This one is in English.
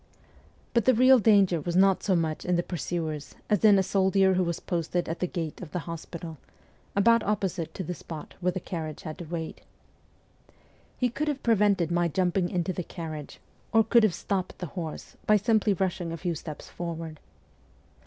But the real danger was not so much in the pursuers as in a soldier who was posted at the gate of the hospital, about opposite to the spot where the carriage had to wait. He could have prevented my jumping into the carriage or could have stopped the horse by simply rushing a few steps forward.